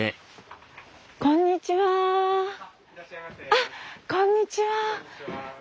あこんにちは。